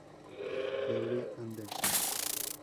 Laurie Anderson.